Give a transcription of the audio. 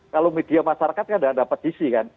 kalau media masyarakat kan tidak dapat disi kan